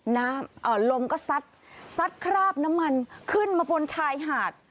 น้ำเอ่อลมก็ซัดซัดคราบน้ำมันขึ้นมาบนชายหาด